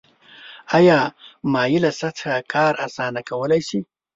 آیا مایله سطحه کار اسانه کولی شي؟